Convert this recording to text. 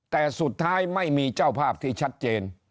แต่สุดท้ายไม่มีเจ้าภาพที่ชัดเจน